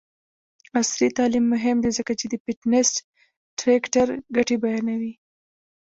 عصري تعلیم مهم دی ځکه چې د فټنس ټریکر ګټې بیانوي.